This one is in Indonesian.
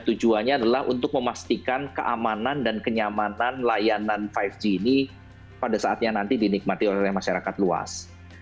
tujuannya adalah untuk memastikan keamanan dan kenyamanan layanan lima g ini pada saatnya nanti dinikmati oleh masyarakat luas